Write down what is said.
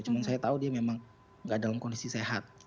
cuman saya tahu dia memang nggak dalam kondisi sehat